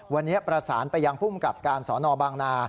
วันนี้ประสานไปยังภูมิกับการสอนอบางนา